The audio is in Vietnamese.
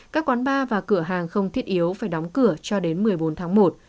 các quán bar và cửa hàng không thiết yếu phải đóng cửa cho đến một mươi bốn tháng một